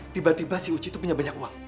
tiba tiba si uci itu punya banyak uang